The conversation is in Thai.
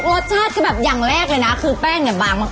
รสชาติคือแบบอย่างแรกเลยนะคือแป้งเนี่ยบางมาก